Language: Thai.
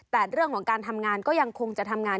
แต่เรื่องของการทำงานก็ยังคงจะทำงาน